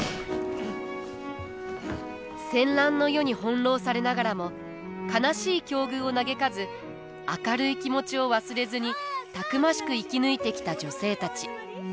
戦乱の世に翻弄されながらも悲しい境遇を嘆かず明るい気持ちを忘れずにたくましく生き抜いてきた女性たち。